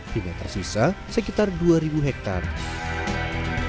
hingga tersisa sekitar dua ribu hektare